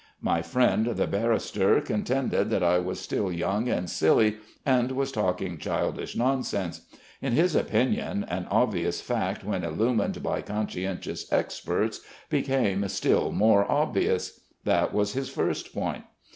My friend the barrister contended that I was still young and silly and was talking childish nonsense. In his opinion an obvious fact when illumined by conscientious experts became still more obvious. That was his first point.